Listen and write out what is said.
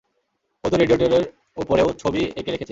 ও তো রেডিয়েটরের ওপরেও ছবি এঁকে রেখেছে!